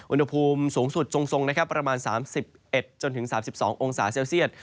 อุณหภูมิสูงสุดส่งสงประมาณ๓๑จนถึง๓๒องศาเซลเซียต